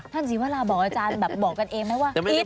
ท่านศิวาราบอกอาจารย์บอกกันเองไหมว่าผิดหรือไม่ผิด